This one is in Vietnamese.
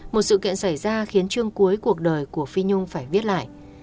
một sự kiện xảy ra khiến chương cuối cuộc đời của phi nhung phải viết lại